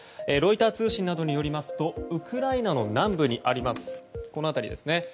ロイター通信などによりますとウクライナの南部にあります